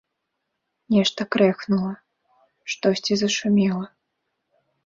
Нешта крэхнула, штосьці зашумела…